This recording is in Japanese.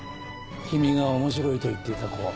君が「面白い」と言っていた子。